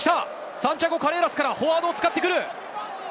サンティアゴ・カレーラスからフォワードを使ってくる。